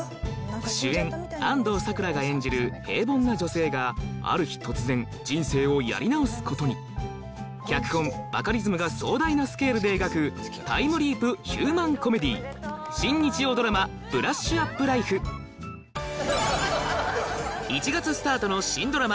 主演安藤サクラが演じる平凡な女性がある日突然人生をやり直すことに脚本・バカリズムが壮大なスケールで描くタイムリープ・ヒューマン・コメディー１月スタートの新ドラマ